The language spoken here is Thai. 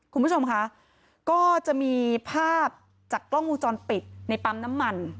คุณผู้ชมคะก็จะมีภาพจากกล้องวงจรปิดในปั๊มน้ำมัน